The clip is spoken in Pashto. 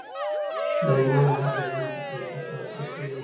سلیمان غر د ژوند په کیفیت تاثیر کوي.